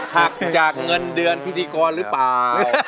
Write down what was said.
หักจากเงินเดือนพิธีกรหรือเปล่า